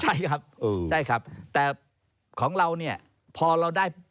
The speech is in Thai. ใช่ครับใช่ครับแต่ของเราเนี่ยพอเราได้